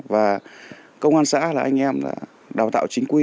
và công an xã là anh em là đào tạo chính quy